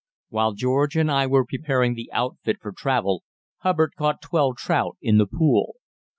While George and I were preparing the outfit for travel Hubbard caught twelve trout in the pool.